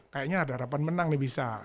kayaknya ada harapan menang nih bisa